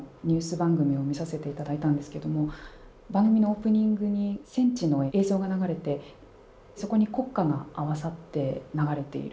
番組を見させていただいたんですけれども番組のオープニングに戦地の映像が流れてそこに国歌が合わさって流れている。